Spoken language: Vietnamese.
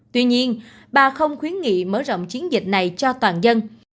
tuy nhiên bà không khuyến nghị mở rộng chiến dịch này cho toàn dân